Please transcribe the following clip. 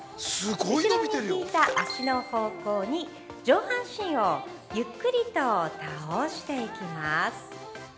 後ろに引いた足の方向に上半身をゆっくりと倒していきます。